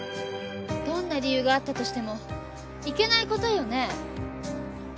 どんな理由があったとしてもいけないことよね？